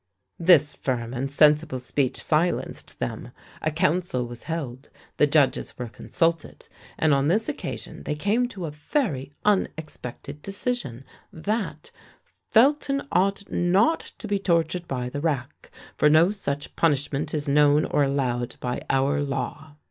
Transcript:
" This firm and sensible speech silenced them. A council was held; the judges were consulted; and on this occasion they came to a very unexpected decision, that "Felton ought not to be tortured by the rack, for no such punishment is known or allowed by our law."